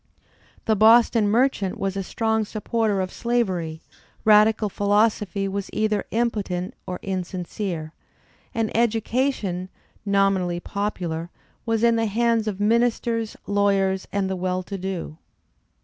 The Boston merchant was a strong supporter of slavery; radical philosophy was either impotent or insincere; and education, nominally popular, was in the hands of ministers, lawyers and the well to do.